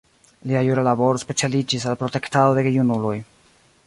Lia jura laboro specialiĝis al protektado de gejunuloj.